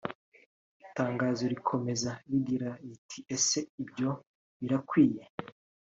Itangazo rikomeza rigira riti “Ese ibyo birakwiye